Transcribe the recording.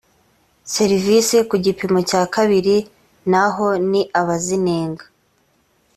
serivisi ku gipimo cya kabiri naho ni abazinenga